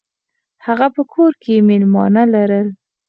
هغه په کور کې میلمانه لرل.